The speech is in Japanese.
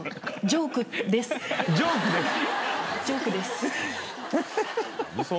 ジョークです。